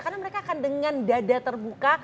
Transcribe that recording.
karena mereka akan dengan dada terbuka